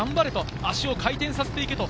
足を回転させていけ！